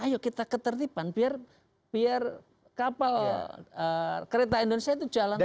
ayo kita ketertiban biar kapal kereta indonesia itu jalan terus